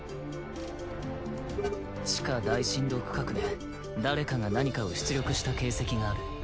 地下大深度区画で誰かが何かを出力した形跡がある。